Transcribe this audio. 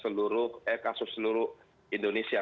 jadi ini adalah kasus seluruh indonesia